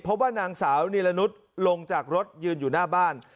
พบว่านางสาวนีลนุฏลงจากรถยืนอยู่หน้าบ้าน